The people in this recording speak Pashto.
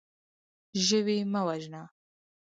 ژوی مه وژنه.